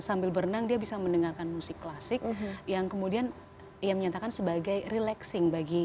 sambil berenang dia bisa mendengarkan musik klasik yang kemudian ia menyatakan sebagai relaxing bagi